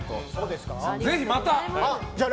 ぜひまた！